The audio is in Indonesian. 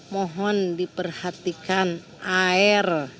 mohon diperhatikan air